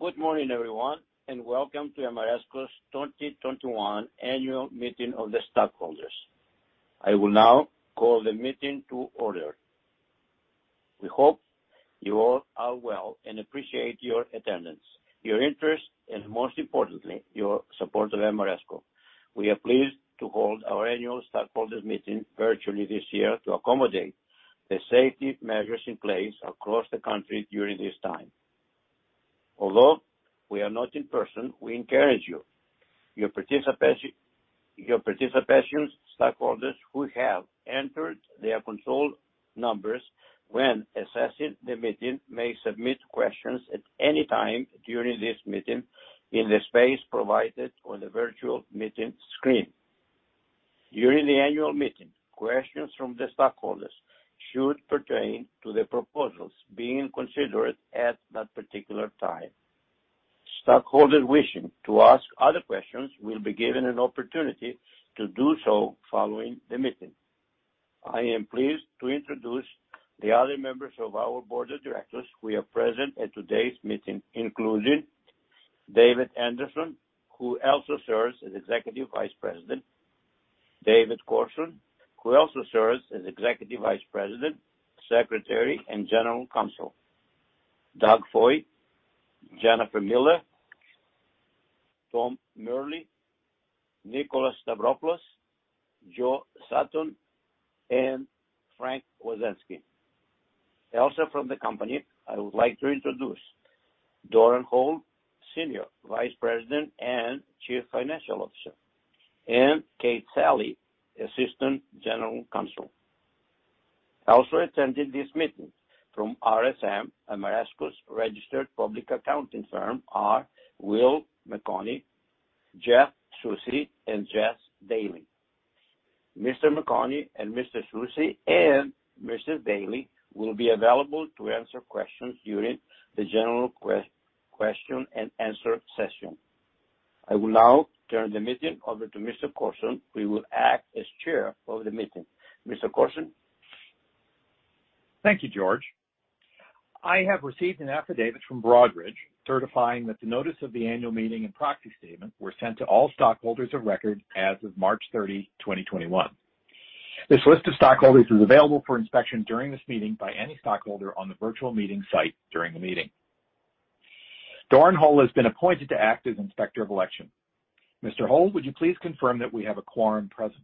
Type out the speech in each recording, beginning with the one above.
Good morning, everyone, and welcome to Ameresco's 2021 Annual Meeting of the Stockholders. I will now call the meeting to order. We hope you all are well and appreciate your attendance, your interest, and most importantly, your support of Ameresco. We are pleased to hold our annual stockholders meeting virtually this year to accommodate the safety measures in place across the country during this time. Although we are not in person, we encourage your participation, stockholders who have entered their control numbers when accessing the meeting, may submit questions at any time during this meeting in the space provided on the virtual meeting screen. During the annual meeting, questions from the stockholders should pertain to the proposals being considered at that particular time. Stockholders wishing to ask other questions will be given an opportunity to do so following the meeting. I am pleased to introduce the other members of our board of directors who are present at today's meeting, including David Anderson, who also serves as Executive Vice President, David Corrsin, who also serves as Executive Vice President, Secretary, and General Counsel, Doug Foy, Jennifer Miller, Tom Murley, Nickolas Stavropoulos, Joe Sutton, and Frank Wisneski. Also from the company, I would like to introduce Doran Hole, Senior Vice President and Chief Financial Officer, and Kate Salley, Assistant General Counsel. Also attending this meeting from RSM, Ameresco's registered public accounting firm, are William McKenney, Jeff Soucy, and Jess Daley. Mr. McKenney and Mr. Soucy and Mrs. Daley will be available to answer questions during the general question and answer session. I will now turn the meeting over to Mr. Corrsin, who will act as chair of the meeting. Mr. Corrsin? Thank you, George. I have received an affidavit from Broadridge certifying that the notice of the annual meeting and proxy statement were sent to all stockholders of record as of March 30, 2021. This list of stockholders is available for inspection during this meeting by any stockholder on the virtual meeting site during the meeting. Doran Hole has been appointed to act as Inspector of Election. Mr. Hole, would you please confirm that we have a quorum present?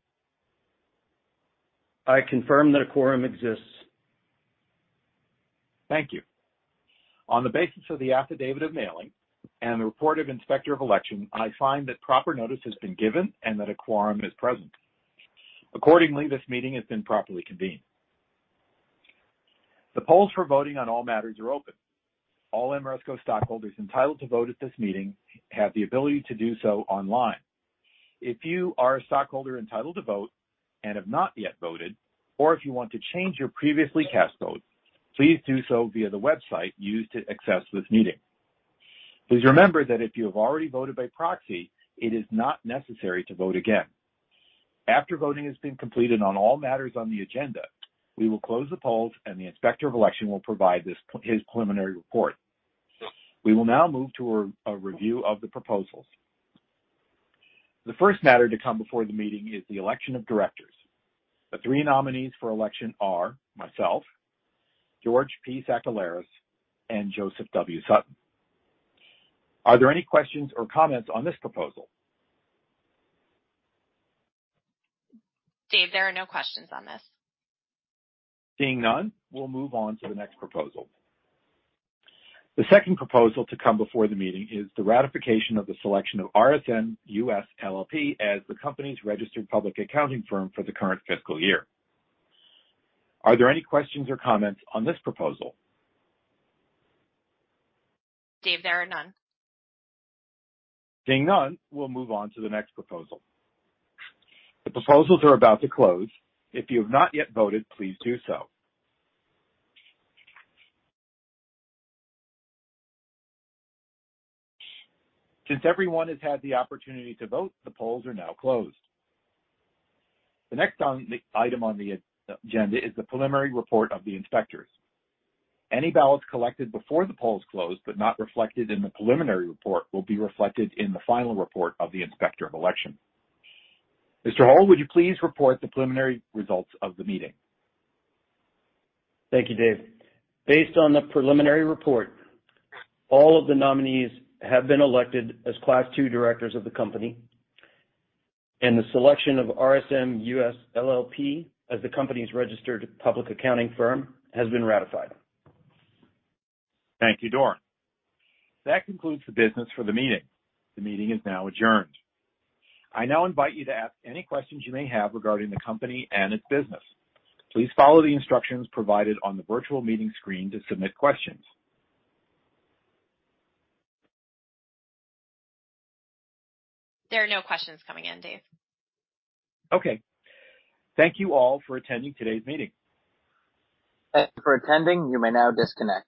I confirm that a quorum exists. Thank you. On the basis of the Affidavit of Mailing and the report of Inspector of Election, I find that proper notice has been given and that a quorum is present. Accordingly, this meeting has been properly convened. The polls for voting on all matters are open. All Ameresco stockholders entitled to vote at this meeting have the ability to do so online. If you are a stockholder entitled to vote and have not yet voted, or if you want to change your previously cast vote, please do so via the website used to access this meeting. Please remember that if you have already voted by proxy, it is not necessary to vote again. After voting has been completed on all matters on the agenda, we will close the polls, and the Inspector of Election will provide this, his preliminary report. We will now move to a review of the proposals. The first matter to come before the meeting is the election of directors. The three nominees for election are myself, George P. Sakellaris, and Joseph W. Sutton. Are there any questions or comments on this proposal? Dave, there are no questions on this. Seeing none, we'll move on to the next proposal. The second proposal to come before the meeting is the ratification of the selection of RSM US LLP as the company's registered public accounting firm for the current fiscal year. Are there any questions or comments on this proposal? Dave, there are none. Seeing none, we'll move on to the next proposal. The proposals are about to close. If you have not yet voted, please do so. Since everyone has had the opportunity to vote, the polls are now closed. The next item on the agenda is the preliminary report of the inspectors. Any ballots collected before the polls closed but not reflected in the preliminary report will be reflected in the final report of the Inspector of Election. Mr. Hole, would you please report the preliminary results of the meeting? Thank you, Dave. Based on the preliminary report, all of the nominees have been elected as Class II directors of the company, and the selection of RSM US LLP as the company's registered public accounting firm has been ratified. Thank you, Doran. That concludes the business for the meeting. The meeting is now adjourned. I now invite you to ask any questions you may have regarding the company and its business. Please follow the instructions provided on the virtual meeting screen to submit questions. There are no questions coming in, Dave. Okay. Thank you all for attending today's meeting. Thank you for attending. You may now disconnect.